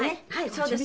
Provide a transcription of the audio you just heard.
そうです。